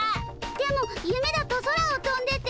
でも夢だと空をとんでて。